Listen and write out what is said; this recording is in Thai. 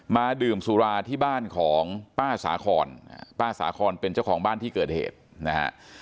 ดื่มสุราที่บ้านของป้าสาคอนป้าสาคอนเป็นเจ้าของบ้านที่เกิดเหตุนะฮะ